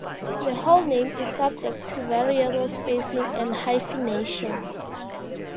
The whole name is subject to variable spacing and hyphenation.